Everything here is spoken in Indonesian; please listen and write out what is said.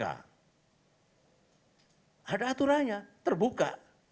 ada aturannya terbuka